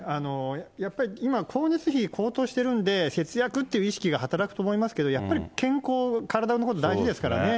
やっぱり、今、光熱費高騰してるんで、節約っていう意識が働くと思いますけど、やっぱり健康、体のこと大事ですからね。